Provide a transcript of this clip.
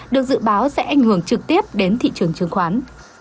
được dự báo sẽ ảnh hưởng trực tiếp đến thị trường chứng khoán